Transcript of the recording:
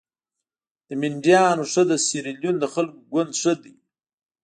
د مینډیانو ښه د سیریلیون د خلکو ګوند ښه دي.